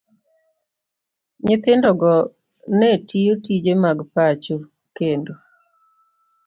Nyithindogo ne tiyo tije mag pacho, kendo